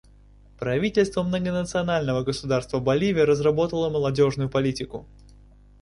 Правительство Многонационального Государства Боливия разработало молодежную политику.